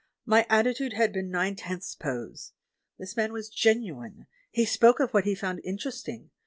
My attitude had been nine tenths pose. This man was genuine ; he spoke of what he found in teresting.